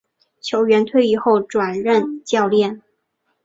球员退役后转任教练。